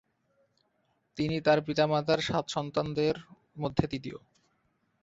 তিনি তার পিতা-মাতার সাত সন্তানের মধ্যে তৃতীয়।